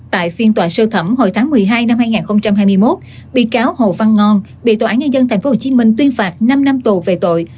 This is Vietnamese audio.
tại phiên tòa sơ thẩm hồi tháng một mươi hai năm hai nghìn hai mươi một bị cáo hồ văn ngon bị tòa án nhân dân tp hcm tuyên phạt năm năm tù về tội